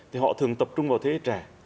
thì họ thường tập trung vào thế hệ trẻ